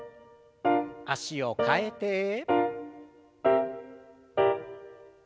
脚を替えて。